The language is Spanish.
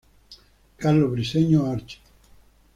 Carlos Briseño Arch.